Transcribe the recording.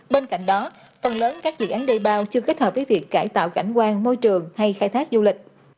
bên cạnh đó phần lớn các dự án đề bao chưa kết hợp với việc cải tạo cảnh quan môi trường hay khai thác du lịch